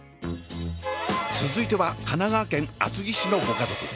続いては神奈川県厚木市のご家族。